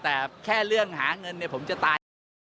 แต่แค่เรื่องหาเงินเนี่ยผมจะตายแน่